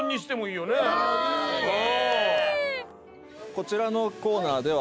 こちらのコーナーでは。